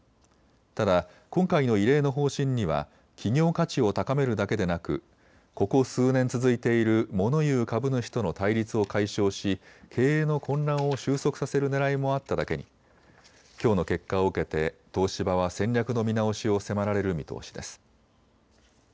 ただ今回の異例の方針には企業価値を高めるだけでなくここ数年続いているモノ言う株主との対立を解消し経営の混乱を収束させるねらいもあっただけにきょうの結果を受けて東芝は戦略の見直しを迫られる見通しです。